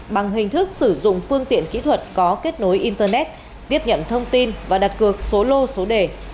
bằng hình thức sử dụng phương tiện kỹ thuật có kết nối internet tiếp nhận thông tin và đặt cược số lô số đề